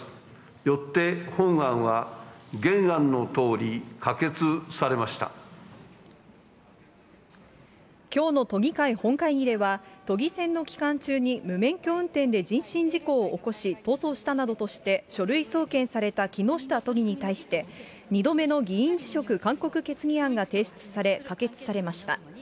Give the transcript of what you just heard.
よって本案は原案のとおり、きょうの都議会本会議では、都議選の期間中に無免許運転で人身事故を起こし、逃走したなどとして、書類送検された木下都議に対して、２度目の議員辞職勧告決議案が提出され、可決されました。